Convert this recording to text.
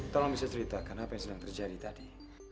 tolong bisa ceritakan apa yang sedang terjadi tadi